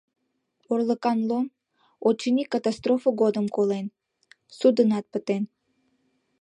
Орлыкан Лом, очыни, катастрофо годым колен, суднат пытен.